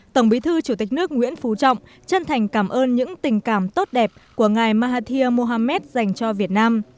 tổng bí thư chủ tịch nước nguyễn phú trọng chân thành cảm ơn những tình cảm tốt đẹp của ngài mahathir mohamed dành cho việt nam